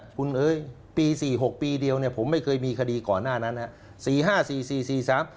คุณเอ๋ยปี๔๖ปีเดียวผมไม่เคยมีคดีก่อนหน้านั้นครับ